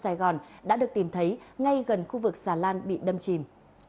các đơn vị chức năng tp hcm đã được tìm thấy ngay gần khu vực xà lan bị đâm chìm